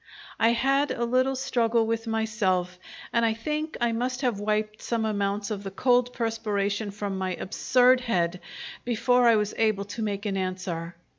I had a little struggle with myself, and I think I must have wiped some amounts of the cold perspiration from my absurd head before I was able to make an answer.